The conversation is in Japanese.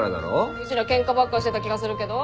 うちらケンカばっかしてた気がするけど？